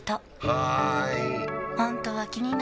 はーい！